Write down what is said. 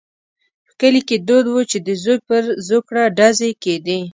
په کلي کې دود وو چې د زوی پر زوکړه ډزې کېدې.